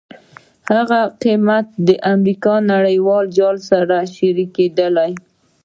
هغه قیمت د امریکا له نړیوال جال سره شریکېدل دي.